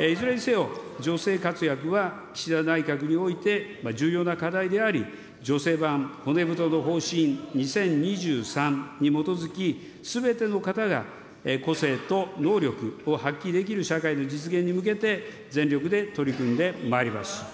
いずれにせよ女性活躍は、岸田内閣において重要な課題であり、女性版骨太の方針２０２３に基づき、すべての方が個性と能力を発揮できる社会の実現に向けて、全力で取り組んでまいります。